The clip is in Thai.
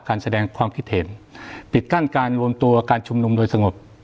การแสดงความคิดเห็นปิดกั้นการรวมตัวการชุมนุมโดยสงบ